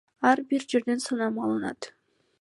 Ар бир жерден сынам алынат.